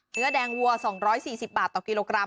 เนื้อแดงวัว๒๔๐บาทต่อกิโลกรัม